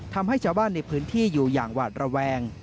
ทำให้ชาวบ้านในพื้นที่อยู่อย่างหวาดระแวง